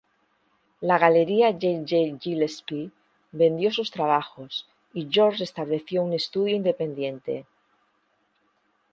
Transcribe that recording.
La galería J. J. Gillespie vendió sus trabajos y George estableció un estudio independiente.